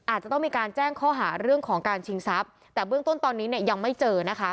อาจจะต้องมีการแจ้งข้อหาเรื่องของการชิงทรัพย์แต่เบื้องต้นตอนนี้เนี่ยยังไม่เจอนะคะ